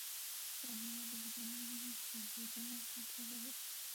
دا مېوه د بدن سوځیدنه کنټرولوي.